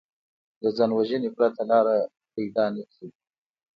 له ځانوژنې پرته لاره پیدا نه کړي